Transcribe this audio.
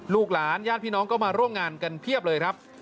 ลูกหลานญาติพี่น้องก็มาร่วมงานกันเพียบเลยครับ